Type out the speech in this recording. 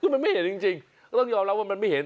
คือมันไม่เห็นจริงก็ต้องยอมรับว่ามันไม่เห็น